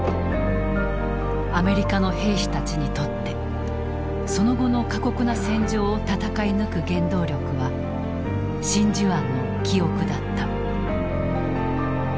アメリカの兵士たちにとってその後の過酷な戦場を戦い抜く原動力は真珠湾の記憶だった。